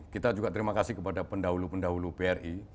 kita juga terima kasih kepada pendahulu pendahulu bri